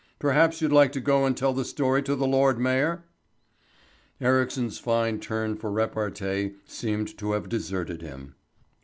Perhaps you'd like to go and tell the story to the Lord Mayor?" Ericsson's fine turn for repartee seemed to have deserted him.